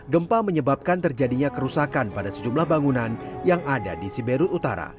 gempa menyebabkan terjadinya kerusakan pada sejumlah bangunan yang ada di siberut utara